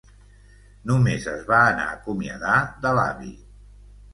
Només es va anar a acomiadar de l'avi.